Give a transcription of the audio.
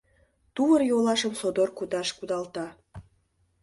Тувыр-йолашым содор кудаш кудалта.